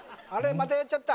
またやっちゃった？